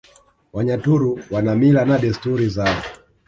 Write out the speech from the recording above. Wanyaturu wana Mila na Desturi zao